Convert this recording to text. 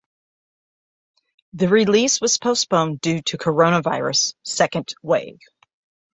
The release was postponed due to Coronavirus second wave.